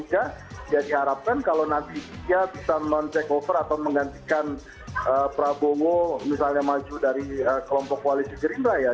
jadi diharapkan kalau nanti dia bisa non takeover atau menggantikan prabowo misalnya maju dari kelompok wali segera